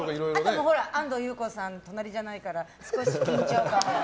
あと、安藤優子さんの隣じゃないから少し緊張感も。